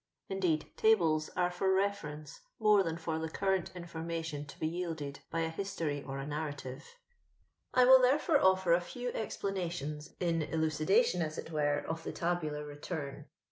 Indeed tables sre for refenaee mqra than for the euireni information to be T&slded by a his tory or a narfsliYe. I will, therefore, oAr a few esplanalioos in elucidation, as it irere^ of tha tabnlar return.